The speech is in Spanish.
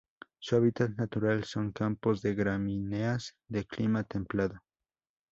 Su hábitat natural son campos de gramíneas de clima templado.